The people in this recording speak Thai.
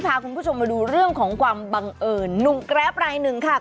พาคุณผู้ชมมาดูเรื่องของความบังเอิญหนุ่มแกรปรายหนึ่งค่ะ